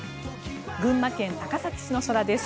群馬県高崎市の空です。